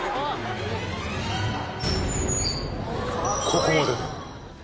ここまでだ。